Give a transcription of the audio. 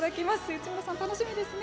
内村さん、楽しみですね。